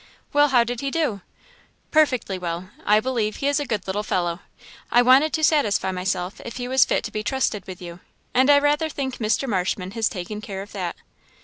"Well, how did he do?" "Perfectly well I believe he is a good little fellow. I wanted to satisfy myself if he was fit to be trusted with you; and I rather think Mr. Marshman has taken care of that."